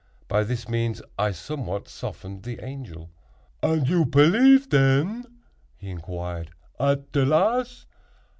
By these means I somewhat softened the Angel. "Und you pelief, ten," he inquired, "at te last?